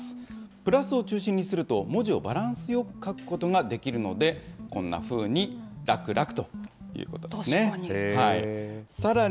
プラスを中心にすると、文字をバランスよく書くことができるので、こんなふうに、楽々ということで確かに。